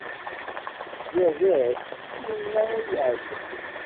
Yerra-d, yenna ur yeɛlim.